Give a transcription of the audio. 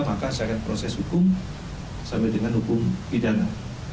maka saya akan proses hukum sampai dengan hukum pidana